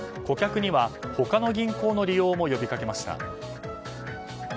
顧客には他の銀行の利用も呼びかけました。